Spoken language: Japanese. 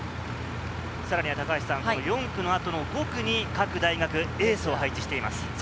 さらに４区の後の５区に各大学、エースを配置しています。